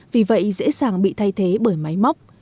vì vậy dễ dàng bị thay thế bởi máy móc